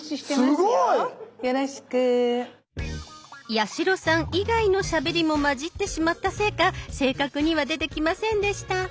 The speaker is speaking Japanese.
八代さん以外のしゃべりも混じってしまったせいか正確には出てきませんでした。